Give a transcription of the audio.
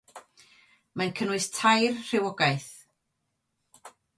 Mae'n cynnwys tair rhywogaeth.